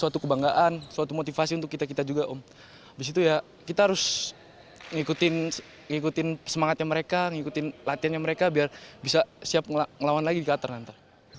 terus ngikutin semangatnya mereka ngikutin latihannya mereka biar bisa siap ngelawan lagi di qatar nanti